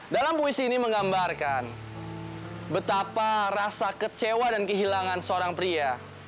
dalam puisi ini menggambarkan betapa rasa kecewa dan kehilangan seorang pria